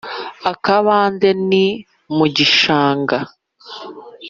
akabande ni mu gishanga